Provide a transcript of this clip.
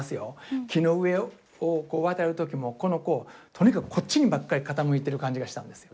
木の上を渡る時もこの子とにかくこっちにばっかり傾いてる感じがしたんですよ